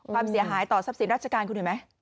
ความเสียหายต่อทรัพย์สินทางราชการ